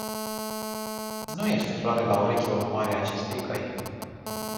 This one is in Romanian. Nu este floare la ureche urmarea acestei căi.